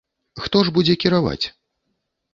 Хто ж будзе кіраваць?